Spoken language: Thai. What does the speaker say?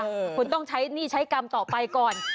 เออคุณต้องใช้กรรมต่อไปก่อน